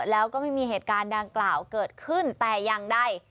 แล้วก็ไม่มีเหตุการณ์ดังกล่าวเกิดขึ้นแต่อย่างใด